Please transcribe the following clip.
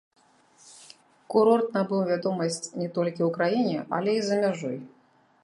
Курорт набыў вядомасць не толькі ў краіне, але і за мяжой.